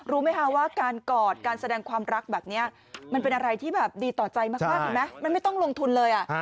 รู้ไหมคะว่าการกอดการแสดงความรักแบบนี้มันเป็นอะไรที่แบบดีต่อใจมากเห็นไหมมันไม่ต้องลงทุนเลย